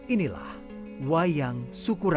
inilah wayang sukuraga